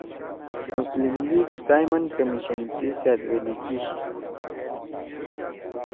مسلم لیگ سائمن کمیشن (Simon Comission) سی سأدویلی کیِشی۔